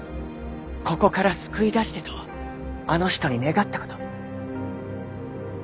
ここから救い出してとあの人に願ったこと。